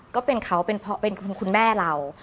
ก็เป็นเขาเป็นคุณแม่เรา